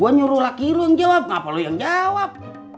gue nyuruh raky lo yang jawab kenapa lo yang jawab